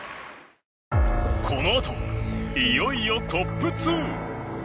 このあと、いよいよトップ２！